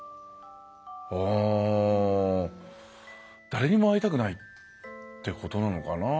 誰にも会いたくないってことなのかな。